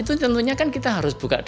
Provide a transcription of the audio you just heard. itu tentunya kan kita harus buka data ya